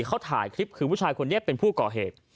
เขาถ่ายคลิปคือผู้ชายคนนี้เป็นผู้ก่อเหตุ